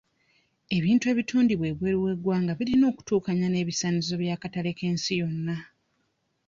Ebintu ebitundibwa ebweru w'eggwanga birina okutuukanya n'ebisaanyizo by'akatale k'ensi yonna.